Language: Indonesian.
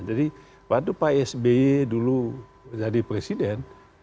jadi waktu pak sby dulu jadi presiden